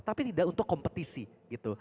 tapi tidak untuk kompetisi gitu